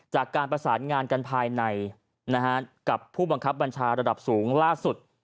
จากการประสานงานกันภายในกับผู้บังคับบัญชาระดับสูงล่าสุด